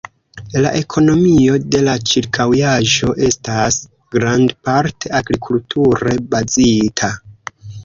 La ekonomio de la ĉirkaŭaĵo estas grandparte agrikulture bazita.